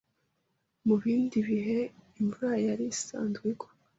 Mu bindi bihe imvura yarisazwe igwa